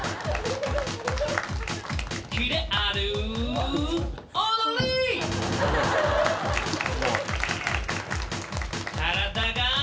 「キレある」「踊り！」「体が」